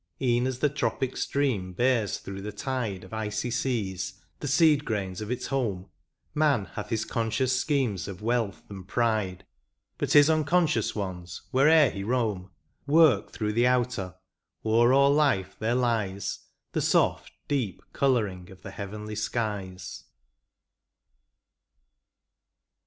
E'en as the tropic stream bears through the tide Of icy seas the seed grains of its home, Man hath his conscious schemes of wealth and pride. But his unconscious ones, where'er he roam, Work through the outer; o'er all life there lies The soft, deep colouring of the heavenly skies.